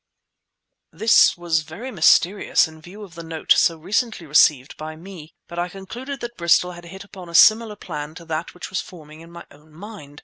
This was very mysterious in view of the note so recently received by me, but I concluded that Bristol had hit upon a similar plan to that which was forming in my own mind.